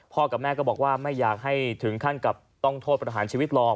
กับแม่ก็บอกว่าไม่อยากให้ถึงขั้นกับต้องโทษประหารชีวิตหรอก